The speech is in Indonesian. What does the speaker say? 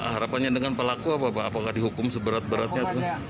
harapannya dengan pelaku apa pak apakah dihukum seberat beratnya atau